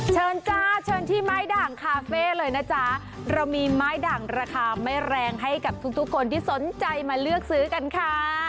เชิญจ้าเชิญที่ไม้ด่างคาเฟ่เลยนะจ๊ะเรามีไม้ด่างราคาไม่แรงให้กับทุกทุกคนที่สนใจมาเลือกซื้อกันค่ะ